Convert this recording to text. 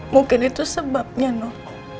mungkin itu sebabnya noh